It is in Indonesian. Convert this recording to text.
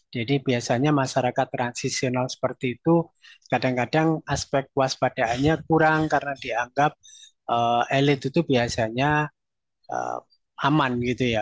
jadi biasanya masyarakat transisional seperti itu kadang kadang aspek waspadaannya kurang karena dianggap elite itu biasanya aman